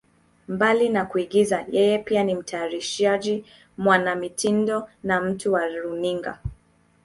Mbali na kuigiza, yeye pia ni mtayarishaji, mwanamitindo na mtu wa runinga.